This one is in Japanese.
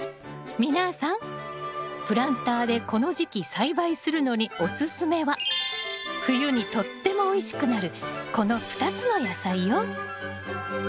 皆さんプランターでこの時期栽培するのにおすすめは冬にとってもおいしくなるこの２つの野菜よ。